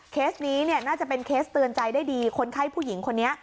นี้เนี่ยน่าจะเป็นเคสเตือนใจได้ดีคนไข้ผู้หญิงคนนี้